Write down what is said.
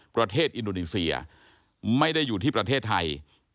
ประเทศอินโดนีเซียไม่ได้อยู่ที่ประเทศไทย